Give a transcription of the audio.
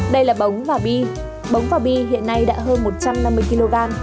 đây là bóng và bi bóng và bi hiện nay đã hơn một trăm năm mươi kg